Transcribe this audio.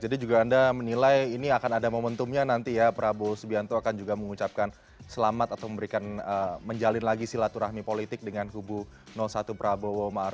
jadi juga anda menilai ini akan ada momentumnya nanti ya prabowo subianto akan juga mengucapkan selamat atau memberikan menjalin lagi silaturahmi politik dengan kubu satu prabowo